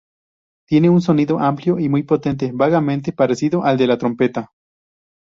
Tiene un sonido amplio y muy potente, vagamente parecido al de la trompeta.